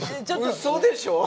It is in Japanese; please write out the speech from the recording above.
うそでしょ？